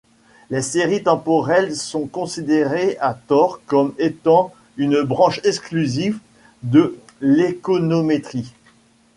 Les séries temporelles sont considérées à tort comme étant une branche exclusive de l'économétrie.